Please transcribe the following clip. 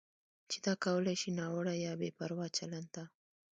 چې دا کولی شي ناوړه یا بې پروا چلند ته